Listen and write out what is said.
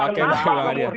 oke baik bang adrian